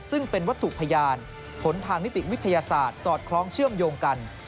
ซึ่งเป็นวัตถุพยานผลทางนิติวิทยาศาสตร์สอดคล้องเชื่อมโยงกัน